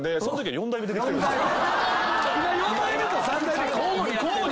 ４代目と３代目交互に。